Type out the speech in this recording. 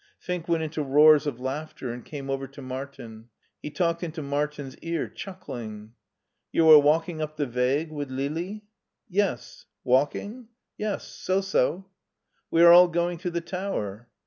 Fink went into roars of laughter and came over to Martin. He talked into Martin's ear, chuckling. ^* You are walking up the Weg with Lili ?"'' Yes." '* Walking?" " Yes ; so so." ^* We are all going to the tower."